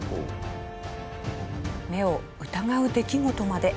目を疑う出来事まで。